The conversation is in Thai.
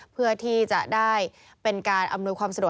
เพื่อที่จะได้เป็นการอำนวยความสะดวก